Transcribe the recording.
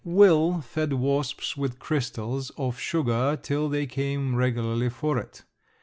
Will fed wasps with crystals of sugar till they came regularly for it.